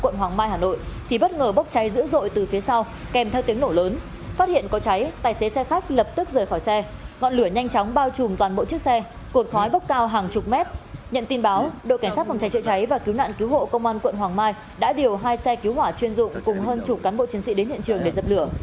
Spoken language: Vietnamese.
đã điều hai xe cứu hỏa chuyên dụng cùng hơn chục cán bộ chiến sĩ đến hiện trường để dập lửa